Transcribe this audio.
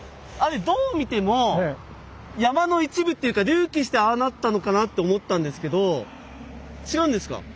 あれどう見ても山の一部っていうか隆起してああなったのかなって思ったんですけど違うんですか？